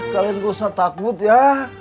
kalian gak usah takut ya